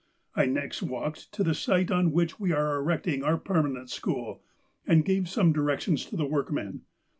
" I next walked to the site on which we are erecting our per manent school, and gave some directions to the workmen.